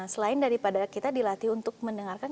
selain daripada kita dilatih untuk mendengarkan